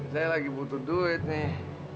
saya lagi butuh duit nih